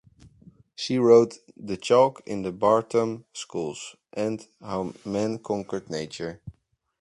She wrote "The Chalk in the Bartomn Schools" and "How Man Conquered Nature".